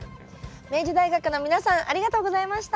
明治大学の皆さんありがとうございました。